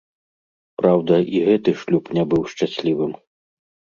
Праўда, і гэты шлюб не быў шчаслівым.